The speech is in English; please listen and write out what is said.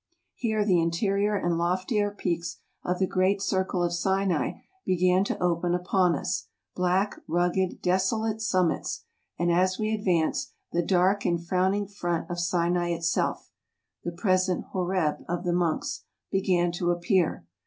Here the interior and loftier peaks of the great circle of Sinai began to open upon us, black, rugged, de¬ solate summits; and as we advance, the dark and frowning front of Sinai itself (the present Horeb of the monks} began to appear.